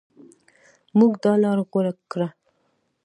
موږ دا لاره غوره کړه.